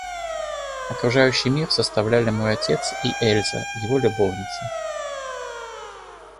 Окружающий мир составляли мой отец и Эльза, его любовница.